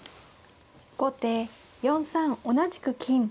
後手４三同じく金。